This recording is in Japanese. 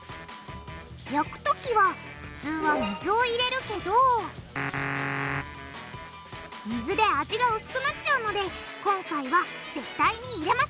焼くときは普通は水を入れるけど水で味が薄くなっちゃうので今回は絶対に入れません！